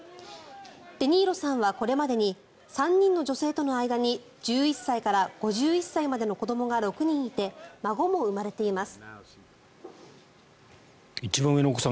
デ・ニーロさんはこれまでに３人の女性との間に１１歳から５１歳までの子どもが６人いて、孫も生まれています。